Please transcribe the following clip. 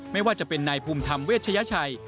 ไม่ว่าจะเป็นนายภูมิธรรมเวชยชัย